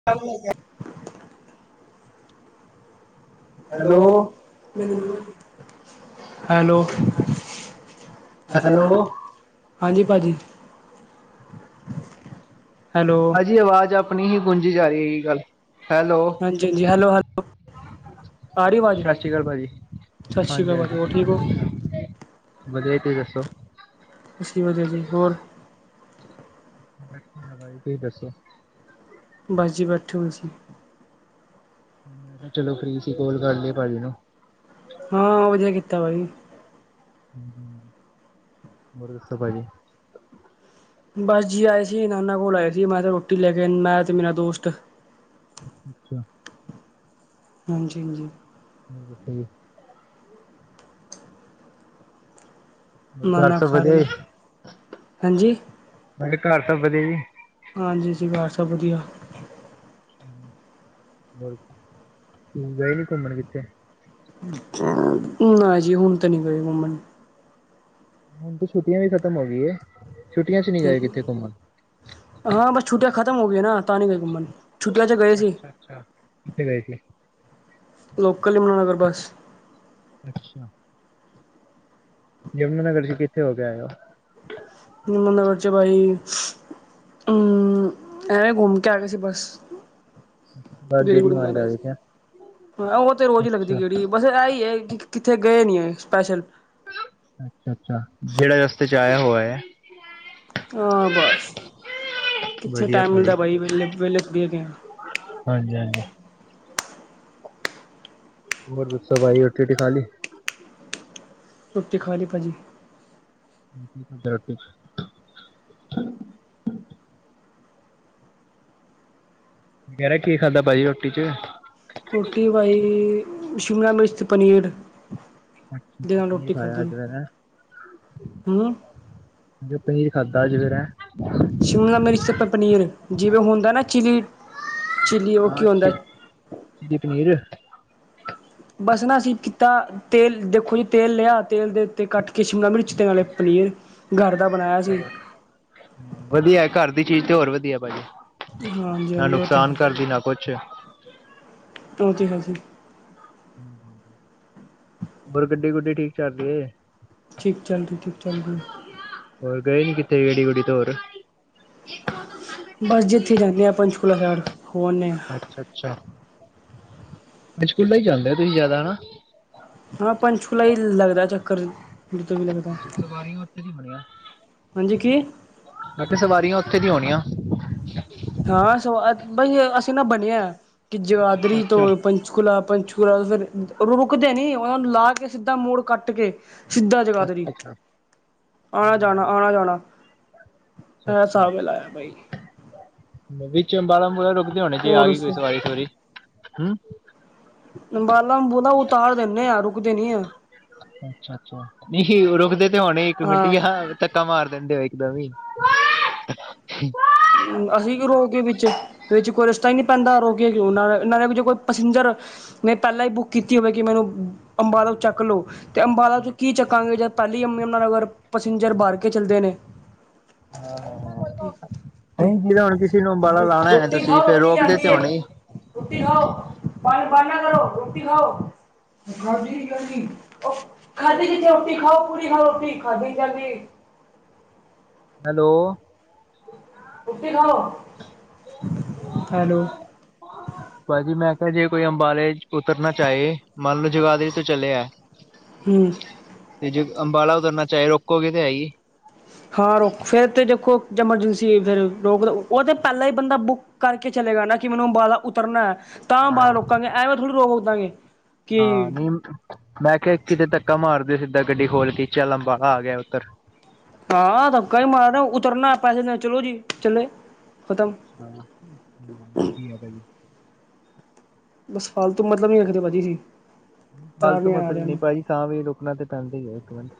[inaudible] Hello, hello, [unintelligible] hello. Hello, hello ਹਾਂਜੀ ਪਾਜੀ। ਪਾਜੀ ਆਵਾਜ਼ ਆਪਨੀ ਹੀ ਗੁੰਜੀ ਜਾ ਰੀ ਹੈਗੀ ਗਾੱਲ ਹਾਂਜੀ ਹਾਂਜੀ, ਹੈਲੋ ਹੈਲੋ। ਆ ਰਹੀ ਆਵਾਜ਼ ਸਾਸ਼੍ਰੀ ਕਾਲ ਪਾਜੀ‌। ਸਤਿ ਸ਼੍ਰੀ ਹਾਂਜੀ, ਅਕਾਲ ਭਾਜੀ ਹੋਰ ਹਾਂਜੀ। ਠੀਕ ਹੋ ਵਦੀਆਂ ਜੀ ਤੁਸੀ ਦੱਸੋ। ਅਸੀ ਵੀ ਵਦੀਆ ਜੀ ਹੋਰ ਤੁਈ ਦੱਸੋ ਬਾੱਸ ਜੀ ਬੈਠੇ ਹੋਏ ਸੀ। ਚਲੋਂ ਫ੍ਰੀ ਸੀ, ਕੋਲ ਕਾੱਰ ਲੀਏ ਪਾਜੀ ਨੂੰ। ਹਾਂ, ਵਦੀਆ ਕੀਤਾ ਬਾਈ। ਹੋਰ ਦੱਸੋਂ ਪਾਜੀ। ਬਸ ਜੀ ਆਏਂ ਸੀ, ਨਾਨਾ ਕੋਲ਼ ਆਏਂ ਸੀ। ਮੈਂ ਤੇ ਰੋਟੀ ਲੈਕੇ ਮੈਂ ਤੇ ਮੇਰਾ ਦੋਸਤ। ਅੱਛਾ। ਹਾਂਜੀ-ਹਾਂਜੀ। [unintelligible] ਹੋਰ ਘਰ ਨਾਨਾ ਸਭ ਖਾ ਵਧੀਆ ਰਹੇ ਜੀ, ਹਾਂਜੀ ਮੈ ਕਿਹਾ ਘਰ ਸਭ ਵਧੀਆ ਜੀ। ਹਾਂਜੀ ਜੀ, ਪਰਿਵਾਰ ਸਭ ਵਧੀਆ। ਹੋਰ ਤੂਸੀ ਗਏ ਨੀ ਘੁੰਮਣ ਕਿੱਥੇ? ਨਾ ਜੀ, ਹੁਣ ਤਾਂ ਨਈ ਕੋਈ ਘੁੰਮਣ ਹੁਣ ਤੇ ਛੁੱਟੀਆਂ ਵੀ ਖ਼ਤਮ ਹੋ ਗਈ ਏ, ਛੁੱਟੀਆਂ ਚ ਨੀ ਗਏ ਕਿੱਥੇ ਘੁੰਮਣ? ਹਾਂ, ਬਸ ਛੁੱਟਿਆ ਖਤਮ ਹੋ ਗਈਆਂ ਨਾ ਤਾਂ ਨਹੀਂ ਗਏ ਘੁੰਮਨ। ਛੁੱਟੀਆਂ ਚ ਗਏ ਸੀ। ਅੱਛਾ-ਅੱਛਾ, ਕਿੱਥੇ ਗਏ ਸੀ? ਲੋਕਲ ਯਮੁਨਾ ਨਗਰ ਬੱਸ। ਅੱਛਾ। ਯਮੁਨਾ ਨਗਰ ਚ ਕਿੱਥੇ ਹੋ ਕੇ ਆਏਂ ਓ? ਯਮੁਨਾ ਨਗਰ ਚ ਭਾਈ ਹਮ। ਐਵੇਂ ਘੁੰਮ ਕੇ ਆ ਗਏ ਸੀ ਬਸ। ਬਸ ਗੇੜੀ ਗੁੜੀ ਮਾਰ ਕੇ ਆ ਆਏਂ ਗਏ ਸੀ। ਹਾਂ ਉਹ ਤੇ ਰੋਜ਼ ਹੀ ਅੱਛਾ ਲੱਗਦੀ ਗੇੜੀ ਬਸ ਇਹੀ ਐਂ ਕਿ ਕਿੱਥੇ ਗਏ ਨਈ ਅਸੀਂ ਸਪੈਸ਼ਲ। ਅੱਛਾ-ਅੱਛਾ। ਜਿਹੜਾਂ ਰਸਤੇ ਚ ਆਇਆਂ ਹੋ ਆਇਆਂ ਐਂ। ਹਾਂ ਬਸ ਕਿੱਥੇ ਵਧੀਆ ਟਾਇਮ ਭਾਜੀ। ਮਿਲ਼ਦਾ ਬਾਈ ਵੇਲ਼ੇ ਵੇਹਲੇ ਥੋੜ੍ਹੀ ਹੈਗੇ ਆ। ਹਾਂਜੀ-ਹਾਂਜੀ। ਹੋਰ ਦੱਸੋਂ ਬਾਈ, ਰੋਟੀ ਰੁਟੀ ਖ਼ਾਲੀ। ਰੋਟੀ ਖਾ ਲੀ ਪਾਜ਼ੀ। ਚਲੋਂ ਠੀਕ। ਕਿਹ ਰਿਹਾ ਕੀ ਖਾਧਾ ਭਾਜ਼ੀ ਰੋਟੀ ਚ। ਰੋਟੀ ਬਾਈ, ਸ਼ਿਮਲਾ ਮਿਰਚ ਤੇ ਪਨੀਰ। ਦੇ ਨਾਲ ਪਨੀਰ ਰੋਟੀ ਪਾਇਆਂ ਅੱਜ ਖਾਧੀ ਫ਼ਿਰ ਹੈ। ਹੂੰ ਅੱਛਾ, ਪਨੀਰ ਖਾਧਾ ਅੱਜ ਫ਼ਿਰ ਹੈ। ਸ਼ਿਮਲਾ ਮਿਰਚ ਤੇ ਪਨੀਰ, ਜਿਵੇਂ ਹੁੰਦਾ ਨਾ ਚਿਲੀ ਚਿੱਲੀ ਉਹ ਕੀ ਆਛਾ ਹੁੰਦਾ ਜੀ ਚਿੱਲੀ ਪਨੀਰ। ਬਸ ਨਾ ਅਸੀਂ ਕੀਤਾਂ। ਤੇਲ ਦੇਖੋਂ ਜੀ। ਤੇਲ ਲ਼ਿਆ ਤੇਲ ਦੇ ਉੱਤੇ ਕੱਟ ਕੇ ਸ਼ਿਮਲਾ ਮਿਰਚ ਤੇ ਨਾਲ਼ੇ ਪਨੀਰ ਗਰ ਵਧੀਆਂ, ਘਰ ਦੀ ਚੀਜ਼ ਤੇ ਹੋਰ ਵਧੀਆਂ ਭਾਜ਼ੀ। ਹਾਂਜੀ ਨਾ ਹਾਂਜੀ ਉਹ ਤੇ ਨੁਕਸ਼ਾਨ ਹੈ ਕਰਦੀ, ਨਾ ਕੁੱਛ। ਉਹ ਤੇ ਹੈ ਜੀ। ਹੋਰ ਗੱਡੀ ਗੁੱਡੀ ਠੀਕ ਚੱਲਦੀ ਏਂ। ਠੀਕ ਚੱਲਦੀ, ਠੀਕ ਚੱਲਦੀ। ਹੋਰ ਗਏ ਨੀਂ ਕਿੱਥੇ ਗੱਡੇ ਗੁਡੀ ਤੇ ਹੋਰ? ਬਸ ਜੀ ਇੱਥੇ ਜਾਂਨੇ ਆ, ਪੰਚਕੂਲਾ ਸੈਂਡ ਹੋ ਆਂਨੇ ਆ। ਅੱਛਾ-ਅੱਛਾ। ਪੰਚਕੂਲਾ ਹੀ ਜਾਂਦੇ ਹੋ ਤੁਸੀਂ ਜ਼ਿਆਦਾ ਹੈਨਾ। ਹਾਂ, ਪੰਚਕੂਲਾ ਹੀ ਲੱਗਦਾ ਚੱਕਰ ਜਦੋਂ ਵੀ ਲੱਗਦਾ। ਸਵਾਰੀਆਂ ਉੱਥੇ ਵੀ ਬਣਿਆਂ। ਹਾਂਜੀੇ ਕੀ? ਮੈ ਖਿਆ ਸਵਾਰੀਆਂ ਉੱਥੇ ਦੀਆਂ ਹੋਣੀਆਂ। ਹਾਂ ਸਵਾ ਬਾਈ ਅਸੀਂ ਨਾ ਬਣਿਆ ਕਿ ਜਗਾਦਰੀ ਅੱਛਾ ਤੋਂ ਪੰਚਕੁਲਾ ਪੰਚ ਫਿਰ ਰੁਕਦੇ ਨੀ ਉਹਨਾ ਨੂੰ ਲਾ ਕੇ ਸਿੱਧਾ ਮੋੜ ਕੱਟ ਕੇ ਸਿੱਧਾ ਜਗਾਧਰੀ ਅੱਛਾ ਅੱਛਾ ਆਣਾ-ਜਾਣਾ, ਅੱਛਾ ਆਣਾ-ਜਾਣਾ। ਇਹ ਅੱਛਾ ਹਿਸਾਬ ਲਾਇਆ ਬਾਈ। ਵਿੱਚ ਅੰਬਾਲਾ ਮੂਰੇ ਰੁਕਦੇ ਹੋਣੇ ਸੀ, ਆ ਗਈ ਕੋਈ ਸਵਾਰੀ ਸਵਰੀ ਹਮ। ਅੰਬਾਲਾ ਅੰਬੁਲਾ ਉਤਾਰ ਦਿੰਦੇ ਆ ਰੁਕਦੇ ਨਹੀਂ ਆ। ਅੱਛਾ ਅੱਛਾ, ਨਹੀਂ ਰੁਕਦੇ ਤੇ ਹੋਣੇ ਇੱਕ ਮਿੰਟ ਹਾਂ ਧੱਕਾ ਮਾਰ ਦਿੰਦੇ ਨੇ, ਇੱਕ ਦਮ ਹੀ। ਅਸੀਂ ਕਿਉਂ ਰੋਕੀਏ ਵਿਚ ਵਿੱਚ ਕੋਈ ਰਸਤਾ ਹੀ ਨੀਂ ਪੈਂਦਾਂ ਰੋਕਿਏ ਕਿਉਂ, ਨਾ ਨਾਲ਼ੇ ਵਿੱਚ ਕੋਈ ਪੈਸੇਜਰ। ਮੈਂ ਪਹਿਲਾਂ ਹੀ ਬੁੱਕ ਕੀਤੀ ਹੋਵੇਂ, ਕਿ ਮੈਂਨੂੰ ਅੰਬਾਲੋ ਚੱਕ ਲਓ। ਤੇ ਅੰਬਾਲਾ ਤੋਂ ਕੀ ਚੱਕਾਂਗੇ, ਜਦ ਪਹਿਲੀ ਅੰਮੀ ਨਗਰ ਪੈਸੈਂਜਰ ਭਰ ਕੇ ਚੱਲਦੇ ਨੇਂ। ਆ ਨਹੀਂ ਜਿਦਾਂ ਹੁਣ ਕਿਸ਼ੇ ਨੂੰ ਅੰਬਾਲਾ ਲਾਣਾ ਰੋਟੀ ਤੁਸੀਂ, ਖਾਓ ਫ਼ਿਰ ਰੋਟੀ ਰੋਕਦੇ ਲਿਆਂਦੀ ਤੇ ਏ ਹੋਣੇਂ ਹੀ ਰੋਟੀ ਖਾਓ, ਪਾਣੀਂ ਬੰਦ ਨਾ ਕਰੋਂ, ਰੋਟੀ ਖਾਓ। ਖਾਦੀ ਨੀਂ ਜਾਂਦੀ, ਉਹ ਖਾਦੀ ਕਿੱਥੇ ਰੋਟੀ ਖਾਓ, ਪੂਰੀ ਖਾਓ ਰੋਟੀ, ਖਾਧੀ ਨੀਂ ਜਾਂਦੀ। ਹੈਲੋ। ਰੋਟੀ ਖਾਓ, ਹੈਲੋ। [inaudible] ਭਾਜੀ ਮੈਂ ਕਿਹਾ ਜੇ ਕੋਈ ਅੰਬਾਲੇ ਉਤਰਨਾ ਚ ਚਾਹੇ, ਮੰਨ ਲਓ ਜਗਾਦਰੀ ਤੋਂ ਚੱਲਿਆ ਹੈ। ਹੂ ਤੇ ਜੇ ਅੰਬਾਲੇ ਉਤਰਨਾ ਚਾਹੇ, ਰੋਕੋਗੇ ਤੇ ਹੈ ਈ। ਹਾਂ ਰੋਕ ਫੇਰ ਤਾਂ ਦੇਖੋ ਐਮਰਜੈਂਸੀ, ਫਿਰ ਰੋਕ, ਉਹ ਤਾਂ ਪਹਿਲਾਂ ਹੀ ਬੰਦਾ ਬੁੱਕ ਕਰਕੇ ਚੱਲੇਗਾ ਨਾ ਕਿ ਮੈਨੂੰ ਅੰਬਾਲਾ ਉਤਰਨਾ ਹੈ, ਤਾਂ ਅੰਬਾਲਾ ਹਾਂ ਰੋਕਾਂਗੇ ਐਂਵੇੈਂ ਥੋੜ੍ਹੀ ਰੋਕ ਦਾਂਗੇ। ਹਾਂ ਕਿ ਨਹੀਂ, ਮੈਂ ਕਿਹਾ ਕਿਤੇ ਧੱਕਾ ਮਾਰਦੇ ਸਿੱਧਾ ਗੱਡੀ ਖੋਲ ਕੇ, ਚੱਲ ਅੰਬਾਲਾ ਆ ਗਿਆ ਉੱਤਰ। ਹਾਂ ਧਕਾ ਹੀ ਮਾਰਦਾ, ਉਤਰਨਾ, ਪੈਸੇ ਦੇ, ਚੱਲੋ ਜੀ ਚੱਲੇ ਖਤਮ। ਹੋਰ ਠੀਕ ਹੈ ਬਾਈ। ਬਸ, ਫਾਲਤੂ ਮਤਲਬ ਨੀ ਰੱਖਦੇ ਭਾਜੀ ਅਸੀ ਜੀ। ਫਾਲਤੂ ਤਾਰਨੇ ਆ ਮਤਲਬ ਰਹੇ ਨੀ ਨੇ ਭਾਜੀ, ਤਾਂ ਵੀ ਰੁਕਣਾ ਤੇ ਪੈਂਦੇ ਹੈ ਇੱਕ ਮਿੰਟ।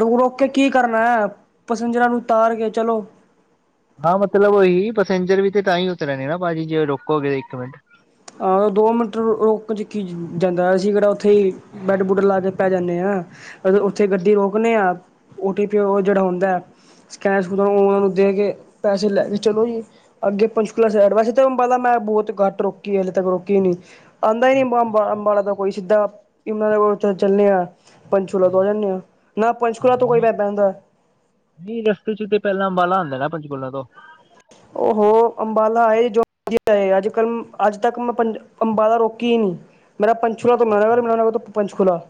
ਰੋਕ ਰੋਕ ਕੇ ਕੀ ਕਰਨਾ ਹੈ, ਪੈਸੇਜਰ ਨੂੰ ਉਤਾਰ ਕੇ ਚਲੋ। ਹਾਂ ਮਤਲਬ ਉਹੀ, ਪੈਸੇਜਰ ਵੀ ਤੇ ਤਾਂ ਹੀ ਉਤਰਨੇ ਨਾ, ਭਾਜੀ ਜੇ ਰੋਕੋਗੇ ਇੱਕ ਮਿੰਟ। ਹਾ, ਦੋ ਮਿੰਟਰ ਰੋਕਣ ਚ ਕੀ ਜਾਂਦਾ ਸੀ, ਅਸੀਂ ਕਿਹੜਾ ਉੱਥੇ ਹੀ ਬੈੱਡ ਬੁੱਡ ਲਾ ਕੇ ਪੈ ਜਾਂਨੇ ਆਂ, ਉੱਥੇ ਗੱਡੀ ਰੋਕਨੇ ਆਂ, ਔ ਟੀ ਪੀ, ਔ ਜਿਹੜਾ ਹੁੰਦਾ ਸਕੈਨ ਸਕੂਨ ਔਨਾਨੂੰ ਦੇ ਕੇ, ਪੈਸੇ ਲੈ ਕੇ ਚਲੋ ਜੀ। ਅੱਗੇ ਪੰਚਕੁਲਾ ਸਾਈਡ, ਵੈਸੇ ਤੇ ਅੰਬਾਲਾ ਮੈਂ ਬਹੁਤ ਘੱਟ ਰੋਕ ਕੀ ਹਲੇੇ ਤੱਕ ਰੋਕੀ ਨੀ, ਆਉਂਦਾ ਹੀ ਨਹੀਂ ਅੱਛਾ ਅੱਛਾ ਅੰਬਾਲਾ ਦਾ ਕੋਈ, ਸਿੱਧਾ ਇਮ ਕੋ ਚੱਲੇ ਆ। ਪੰਚਕੁਲਾ ਤੋਂ ਹਾਂ ਆ ਜਾਂਦੇ ਆ, ਨਾ ਪੰਚਕੁਲਾ ਤੋਂ ਕੋਈ ਨਹੀਂ ਬੈੰਦਾ। ਨਹੀਂ ਰਸਤੇ ਚ ਤੇ ਪਹਿਲਾਂ ਅੰਬਾਲਾ ਹੁੰਦਾ ਨਾ ਪੰਚਕੁਲਾਂ ਤੋਂ। ਉਹ ਅੰਬਾਲਾ ਆਏ ਜੋ ਆ ਅੱਜ ਕੱਲ ਅੱਜ ਤੱਕ ਮੈਂ ਅੰਬਾਲਾ ਰੋਕੀ ਨਹੀਂ। ਮੇਰਾ ਪੰਚਕੂਲਾ ਤੋਂ ਮੇਰਾ ਅੰਬਾਲਾ, ਅੰਬਾਲਾ ਤੋਂ ਪੰਚਕੂਲਾ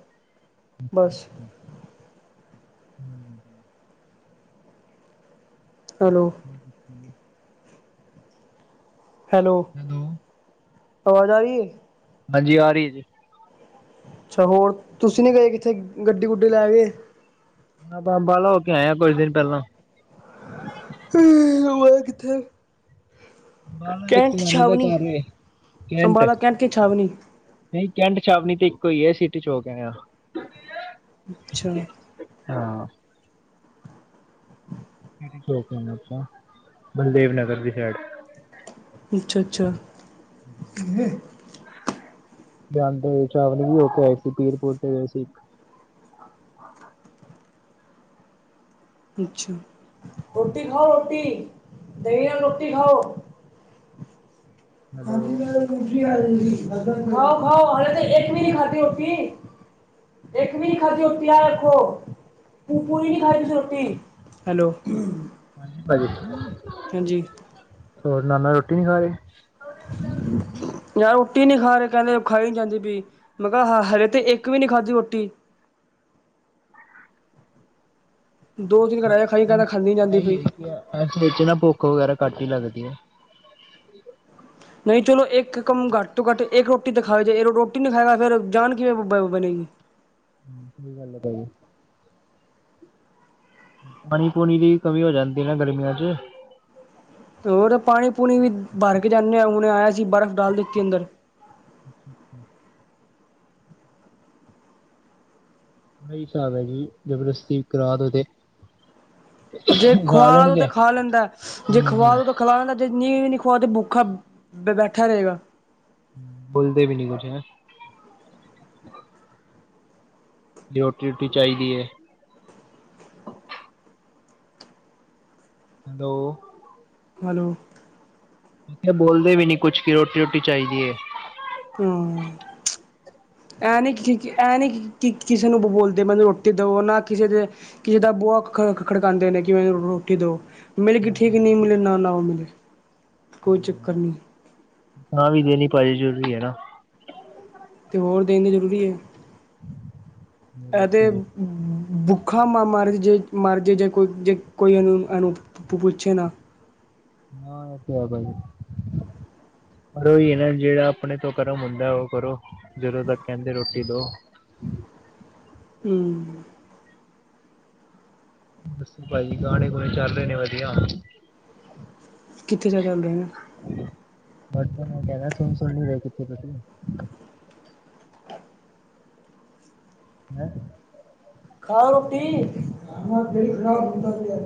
ਬਸ। ਹਮ। [unintelligible] ਹੈਲੋ ਹਮ [unintelligible] ਹੈਲੋ ਆਵਾਜ਼ ਆ ਰਹੀ ਹੈ? ਹਾਂਜੀ ਆ ਰਹੀ ਹੈ ਜੀ। ਅੱਛਾ ਹੋਰ, ਤੁਸੀਂ ਨਹੀਂ ਗਏ ਕਿੱਥੇ, ਗੱਡੀ ਗੁੱਡੀ ਲੈ ਗਏ। ਹਾਂ ਤ ਅੰਬਾਲਾ ਹੋਕੇ ਆਇਆ ਕੁਝ ਦਿਨ ਪਹਿਲਾਂ। ਹਮ ਉਹ ਹੈ ਕਿੱਥੇ [unintelligible] ਕੈਂਟ ਛਾਵਨੀ ਨਹੀਂ ਅੰਬਾਲਾ ਕੈਂਟ ਕੀ ਛਾਵਨੀ ਕੈਂਟ ਛਾਵਣੀ ਤੇ ਇੱਕੋ ਹੀ ਹੈ, ਸੀਟੀ ਚੌਂਕ ਤੇ ਹੈ। ਅੱਛਾ। ਅੱਛਾ। ਚੌਕ ਆਪਾਂ ਬਲਦੇਵ ਨਗਰ ਦੀ ਸਾਈਡ ਅੱਛਾ ਅੱਛਾ ਜਾਂਦੇ ਛਾਵਨੀ ਵੀ ਹੋ ਕੇ ਆਏ ਸੀ, ਪੀਰਪੁਰ ਤੇ ਗਏ ਸੀ। ਅੱਛਾ ਰੋਟੀ ਖਾਓ ਰੋਟੀ, ਦਹੀਂ ਨਾਲ ਰੋਟੀ ਖਾਓ। ਰੋ ਹੈਲੋ ਖਾਓ ਖਾਓ ਹਾਲੇ ਤੇ, ਇੱਕ ਵੀ ਨੀ ਖਾਧੀ ਰੋਟੀ। ਇੱਕ ਵੀ ਨਹੀਂ ਖਾਧੀ ਰੋਟੀ ਆਹ ਵੇਖੋ, ਪੂਰੀ ਨਹੀਂ ਖਾਈ ਤੁਸੀਂ ਰੋਟੀ। ਹਾਂਜੀ। ਹਾਂਜੀ ਹੋਰ ਨਾਲ-ਨਾਲ ਰੋਟੀ ਨੀ ਖਾਣੀ‌। ਯਾਰ ਰੋਟੀ ਨੀ ਖਾ ਰਹੇ ਕਹਿੰਦੇ ਖਾਈ ਨੀ ਜਾਂਦੀ ਪਈ। ਮੈਂ ਕਿਹਾ, ਹੱਲੇ ਤੇ ਇੱਕ ਵੀ ਨਹੀਂ ਖਾਧੀ ਰੋਟੀ। ਦੋ-ਦਿਨ ਗਰਾਇਆ ਖਾਈ ਕਹਿੰਦਾ ਹੁਣ ਖਾਦੀ ਨਹੀਂ ਜਾਂਦੀ ਇਹੀ ਪਈ। ਹੈ ਇਸ ਵਿੱਚ ਨਾ ਭੁੱਖ ਵਗੈਰਾ ਘੱਟ ਹੀ ਲੱਗਦੀ ਹੈ। ਨਹੀਂ, ਚਲੋ ਇੱਕ ਕੰਮ ਘੱਟ ਤੋਂ ਘੱਟ ਇੱਕ ਰੋਟੀ ਤਾ ਖਾਵੇ ਜੇ ਇਹੋ ਰੋਟੀ ਨਹੀਂ ਖਾਏਗਾ ਫਿਰ ਜਾਨ ਕਿਵੇਂ ਬਣੇਗੀ? ਹਾਂ ਸਹੀ ਗੱਲ ਹੈ ਭਾਜੀ। ਪਾਣੀ-ਪੂਣੀ ਦੀ ਕਮੀ ਹੋ ਜਾਂਦੀ ਨਾ ਗਰਮੀਆਂ ਚ। ਤੇ ਹੋਰ ਪਾਣੀ-ਪੂਣੀ ਵੀ ਭਰ ਕੇ ਜਾਂਦੇ ਹਾਂ ਹੁਣੇ ਆਇਆ ਸੀਂ ਬਰਫ਼ ਡਾਲ ਦਿੱਤੀ ਅੰਦਰ। [inaudible] ਇਹੀ ਹਿਸਾਬ ਹੈ ਜੀ ਜਬਰਦਸਤੀ ਕਰਾ ਦਓ ਤੇ ਜੇ ਖਾ ਖੁਆ ਦੋ ਤੇ ਲੈਣਗੇ ਉਹ ਤੇ ਖਾ ਲੈਂਦਾ ਜੇ ਖਵਾ ਦੋ ਖਲਾ ਦਾ ਜ ਨੀਂਹ ਵੀ ਨੀ ਖੁਆ ਤੇ ਭੁੱਖਾ ਬੈਠਾ ਰਹੇਗਾ। ਬੋਲਦੇ ਵੀ ਨੀ ਕੁਛ ਹੈ। ਰੋਟੀ-ਰੂਟੀ ਚਾਹੀਦੀ ਏ। ਹੈਲੋ। ਹੈਲੋ। ਮਮੈ ਕਿਹਾ, ਬੋਲਦੇ ਵੀ ਨੀ ਕੁਛ ਕਿ ਰੋਟੀ-ਰੂਟੀ ਚਾਹੀਦੀ ਹੈ। ਹਾ। ਐਂ ਨਹੀਂ, ਐਂ ਨਹੀਂ ਕਿ ਕਿਸੇ ਨੂੰ ਬੋਲਦੇ ਮਤਲਬ ਰੋਟੀ ਦਿਉ ਨਾ ਕਿਸੇ ਦੇ ਕਿਸੇ ਦਾ ਬੂਆ ਖ ਖੜਕਾਂਦੇ ਨੇ ਕਿ ਮੈਨ ਰੋਟੀ ਦੋ। ਮਿਲਗੀ ਠੀਕ, ਨੀ ਮਿਲੇ ਨਾ-ਨਾ ਮਿਲੇ। ਕੋਈ ਹੂੰ, ਚੱਕਰ ਨਹੀਂ ਤਾਂ ਵੀ ਦੇਣੀ ਭਾਜੀ ਜ਼ਰੂਰੀ ਹੈਨਾ। ਤੇ ਹੋਰ ਦੇਣੀ ਜ਼ਰੂਰੀ ਹੈ ਹੋਰ ਇਹ ਦੱਸੋ ਤੇ ਜੀ। ਭੁਖਾ ਮਰ ਜੇ-ਮਰ ਜੇ, ਕੋਈੇ-ਕੋਈ ਜੇ ਇਹਨੂੰ ਪੁ-ਪੁ, ਪੁੱਛੇ ਨਾ। ਹਾਂ, ਇਹ ਤੇ ਹੈ ਭਾਈ। ਪਰ ਉਹੀ ਨਾ ਜਿਹੜਾ ਆਪਣੇ ਤੋਂ ਕਰਮ ਹੁੰਦਾ ਉਹ ਕਰੋ, ਜਦੋਂ ਤੱਕ ਕਹਿੰਦੇ ਰੋਟੀ ਦਓ। ਹੂੰ। ਦੱਸੋ ਭਾਜੀ ਗਾਣੇ-ਗੁਣੇ ਚੱਲ ਰਹੇ ਨੇ ਵਧੀਆ। ਕਿੱਥੇ ਜ਼ਿਆ ਚੱਲ ਰਹੇ ਨੇ? ਬਸ ਮੈਂ ਕਹਦਾ ਸੁਣ-ਸੁਣੀ ਰੇ ਕਿਥੇ ਤੁਸੀ? ਹੈਂ। ਖਾ ਰੋਟੀ, ਮੇਰਾ ਦਿਲ ਖਰਾਬ ਹੁੰਦਾ ਪਿਆ।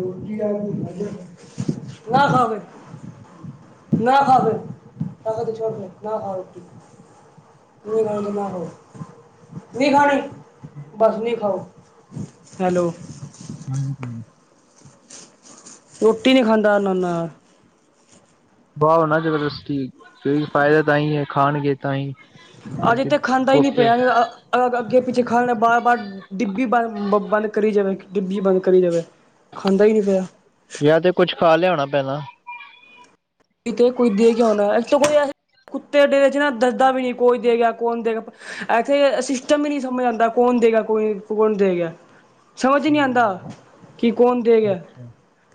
ਰੋਟੀ ਨਾ ਖਾ ਫੇਰ। ਨਾ ਖਾ ਫਿਰ, ਨਾ ਖਾ ਛੋਣ ਦੇ, ਨਾ ਖਾ ਰੋਟੀ। ਨਹੀਂ ਖਾਣੀ ਤਾਂ ਨਾ ਖਾਓ, ਨੀ ਖਾਣੀ। ਬਸ ਨੀ ਖਾਓ, ਹੈਲੋ। ਹਾਂਜੀ-ਹਾਂਜੀ। ਰੋਟੀ ਨੀ ਖਾਂਦਾ ਨੰਨਾ। ਬਾਔ ਨਾ ਜਬਰਦਸਤੀ ਕਿਉਂਕਿ ਫਾਇਦਾ ਤਾਂ ਹੀ ਹੈ ਖਾਣਗੇ ਤਾਂ ਹੀ। ਅਜ ਤੇ ਖਾਂਦਾ ਹੀ ਨਹੀਂ ਓਕੇ ਪਿਆ ਅੱਗੇ-ਪਿੱਛੇ ਖਾਣ ਲੈਦਾ, ਬਾਰ-ਬਾਰ ਡਿੱਬੀ ਬੰਦ ਬ ਬੰਦ ਕਰੀ ਜਾਵੇ, ਡਿੱਬੀ ਬੰਦ ਕਰੀ ਜਾਵੇ ਖਾਂਦਾ ਹੀ ਨਹੀਂ ਪਿਆ। ਜਾਂ ਤੇ ਕੁੱਛ ਖਾ ਲਿਆਉਣਾ ਪਹਿਲਾ। ਕੋਈ ਦੇ ਗਿਆ ਹੋਨਾ, ਅੱਜ ਤਾ ਕੋਈ ਤਾ ਏਸੇ ਕੁੱਤੇ ਦੇ ਡੇਰੇ 'ਚ ਨਾ ਦੱਸਦਾ ਵੀ ਨਹੀਂ ਕੋਈ ਦੇਗਾ, ਕੋੌਣ ਦੇਗਾ? ਇੱਥੇ ਸਿਸਟਮ ਹੀ ਨਹੀਂ ਸਮਝ ਆਉਂਦਾ, ਕੌਣ ਦੇ ਗਿਆ, ਕੌਣ ਦੇ ਗਿਆ? ਸਮਝ ਨੀ ਆਉਂਦਾ ਹੂੰ ਕਿ ਕੌਣ ਦੇਗਿਆ? ਅੱਛਾ।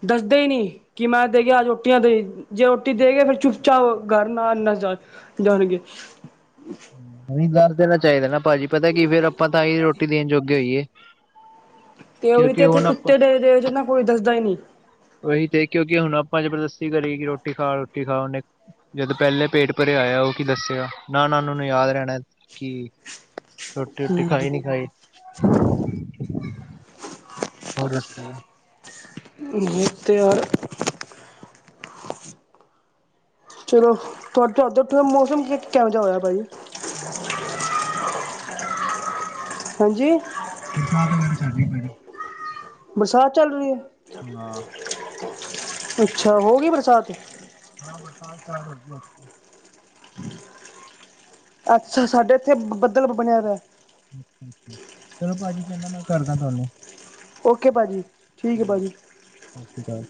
ਦੱਸਦੇ ਹੀ ਨਹੀਂ ਕਿ ਮੈਂ ਦੇ ਅੱਜ ਰੋਟੀਆਂ ਦੇ। ਜੇ ਰੋਟੀ ਦੇ ਗਏ ਫਿਰ ਚੁੱਪ ਚਾਪ ਕਰ ਨਾ ਇੰਨਾ ਜਾ ਜਾਣਗੇ। ਨਹੀਂ ਦਰ ਦੇਣਾ ਚਾਹੀਦਾ ਨਾ ਭਾਜੀ ਪਤਾ ਕੀ ਫਿਰ ਆਪਾਂ ਤਾਂ ਹੀ ਰੋਟੀ ਦੇਣ ਜੋਗੇ ਹੋਈਏ। ਤੇ ਉਹ ਵੀ ਤੇ ਕਿਉਂਕਿ ਇੱਥੇ ਹੁਣ ਆਪਾਂ ਕੁੱਤੇ ਦੇਖ ਦੇਖ ਕੋਈ ਦੱਸਦਾ ਹੀ ਨਹੀਂ। ਉਹੀ ਤੇ ਕਿਉਂਕਿ ਹੁਣ ਆਪਾਂ ਜਬਰਦਸਤੀ ਕਰੀਏ ਕਿ ਰੋਟੀ ਖਾ ਰੋਟੀ ਖਾ ਉਹਨੇ ਜਦੋਂ ਪਹਿਲੇ ਪੇਟ ਭਰੇ ਆਇਆ ਉਹ ਕੀ ਦੱਸਿਆ ਨਾ ਨਾ ਉਹਨਾਂ ਨੂੰ ਯਾਦ ਰਹਿਣਾ ਕਿ ਰੋਟੀ ਰੋਟੀ ਖਾਈ ਨੀ ਖਾਈ ਹੋ ਰੁਸਿਆ ਹੂ ਤਿਆਰ ਚਲੋ ਤੁਹਾਡੇ ਉਥੇ ਮੌਸਮ ਕਿਹੋ ਜਿਹਾ ਹੋਇਆ ਭਾਜੀ? ਹਾਂ ਹਾਂਜੀ [unintelligible] ਬਰਸਾਤ ਚੱਲ ਰਹੀ ਹੈ। ਹਾਂ ਅੱਛਾ ਹੋ ਗਈ ਬਰਸਾਤ। ਤਾਂ ਬਰਸਾਤ ਘਰ ਰੱਖਿਓ ਅੱਛਾ ਸਾਡੇ ਇੱਥੇ ਬੱਦਲ ਬਣਿਆ ਦਾ ਚਲੋ ਭਾਜੀ ਫਿਰ ਨਾ ਮੈਂ ਕਰਦਾ ਤੁਹਾਨੂੰ। ਓਕੇ ਭਾਜੀ। ਠੀਕ ਹੈ ਭਾਜੀ ਸਤਿ ਸ੍ਰੀ ਅਕਾਲ।